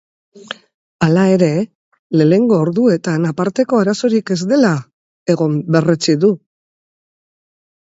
Hala ere, lehenengo orduetan aparteko arazorik ez dela egon berretsi du.